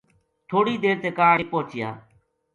تھوڑی دیر تے کاہڈ ویہ پوہچیا